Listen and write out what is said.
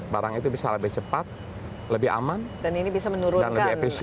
barang itu bisa lebih cepat lebih aman dan lebih efisien